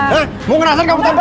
mau ngerasain kamu tanpa